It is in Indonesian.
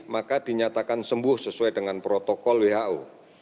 maka dinyatakan sembuh sesuai dengan protokol who